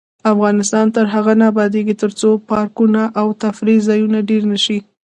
افغانستان تر هغو نه ابادیږي، ترڅو پارکونه او تفریح ځایونه ډیر نشي.